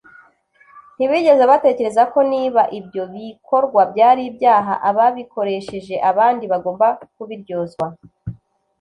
Ntibigeze batekereza ko niba ibyo bikorwa byari ibyaha, ababikoresheje abandi bagomba kubiryozwa